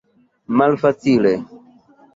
malfacile